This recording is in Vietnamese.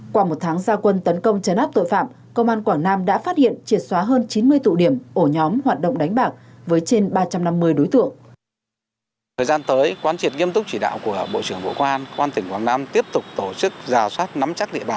qua một tháng gia quân tấn công chấn áp tội phạm công an quảng nam đã phát hiện triệt xóa hơn chín mươi tụ điểm